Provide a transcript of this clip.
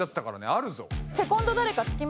あるぞ。